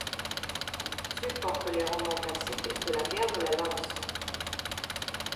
Supporte les romans classique de la guerre de la lance.